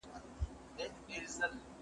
هغه څوک چي مځکه کري حاصل اخلي!!